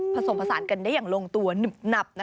ผสมภาษาทางลงตัวเหนื่อยหนับ